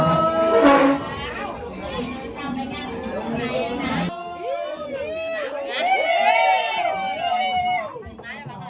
อาจารย์สะเทือนครูดีศิลปันติน